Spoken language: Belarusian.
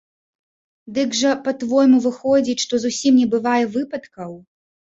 Дык жа, па-твойму, выходзіць, што зусім не бывае выпадкаў?